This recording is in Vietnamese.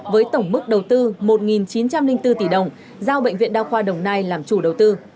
với tổng mức đầu tư một chín trăm linh bốn tỷ đồng giao bệnh viện đa khoa đồng nai làm chủ đầu tư